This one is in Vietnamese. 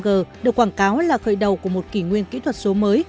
năm g được quảng cáo là khởi đầu của một kỷ nguyên kỹ thuật số mới